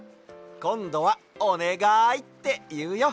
こんどは「おねがい！」っていうよ。